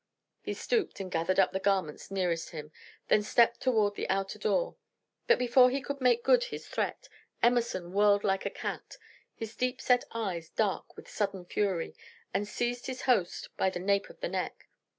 He stooped and gathered up the garments nearest him, then stepped toward the outer door; but before he could make good his threat, Emerson whirled like a cat, his deep set eyes dark with sudden fury, and seized his host by the nape of the neck.